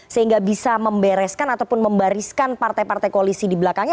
sehingga bisa membereskan ataupun membariskan partai partai koalisi di belakangnya